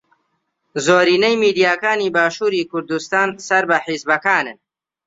زۆرینەی میدیاکانی باشووری کوردستان سەر بە حیزبەکانن.